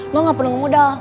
lo gak perlu modal